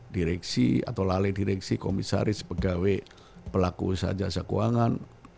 direksi atau laleh direksi komisaris pegawai pelaku saja sekeuangan